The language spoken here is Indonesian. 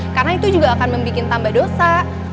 karena itu juga akan membuat tambah dosa